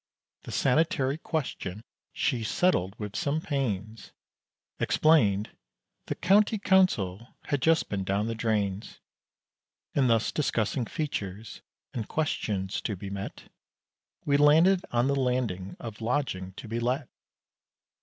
The sanitary question, she settled with some pains, Explained, the County Council had just been down the drains, And thus discussing features, and questions to be met, We landed on the landing of lodging to be let.